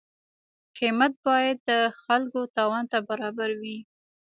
قیمت باید د خلکو توان ته برابر وي.